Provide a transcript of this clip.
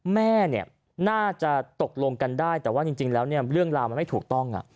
แม่เนี่ยน่าจะตกลงกันได้แต่ว่าจริงแล้วเรื่องราวมันไม่ถูกต้อง